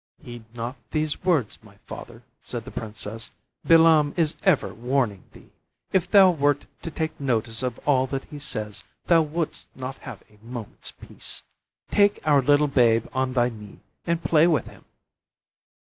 "Heed not these words, my father," said the princess. "Bilam is ever warning thee. If thou wert to take notice of all that he says, thou wouldst not have a moment's peace. Take our little babe on thy knee and play with him."